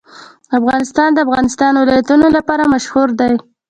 افغانستان د د افغانستان ولايتونه لپاره مشهور دی.